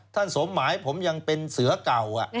สมหมายผมยังเป็นเสือเก่า